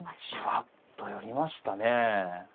じわっと寄りましたね。